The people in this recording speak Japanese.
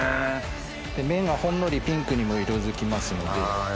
麺がほんのりピンクにも色づきますので。